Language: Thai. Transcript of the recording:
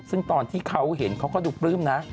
ซึ่งตอนที่เขาเห็นเขาก็ดูปลื้มนะ